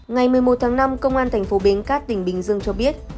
ngày một mươi một tháng năm công an tp bến cát tỉnh bình dương cho biết